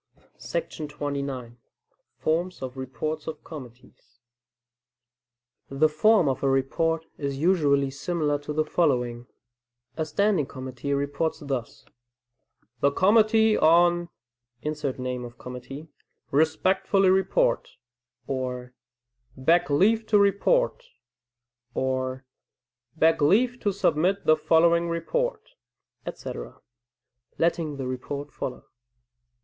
29. Forms of Reports of Committees. The form of a report is usually similar to the following: A standing committee reports thus: "The committee on [insert name of committee] respectfully report," [or "beg leave to report," or "beg leave to submit the following report,"] etc., letting the report follow.